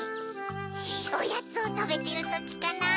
おやつをたべてるときかな？